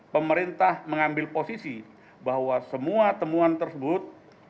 pemerintah mengambil posisi bahwa semua temuan tersebut